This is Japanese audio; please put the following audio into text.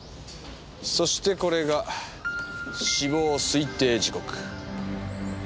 そしてこれが死亡推定時刻。